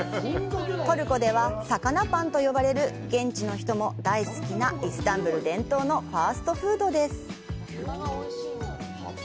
トルコでは「魚パン」と呼ばれる現地の人も大好きなイスタンブール伝統のファストフードです。